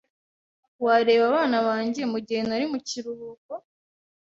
Wareba abana banjye mugihe ntari mukiruhuko?